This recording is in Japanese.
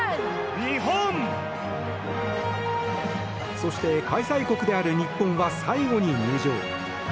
そして、開催国である日本は最後に入場。